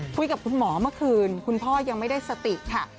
คุยกับคุณหมอเมื่อคืนคุณพ่อยังไม่ได้สติค่ะ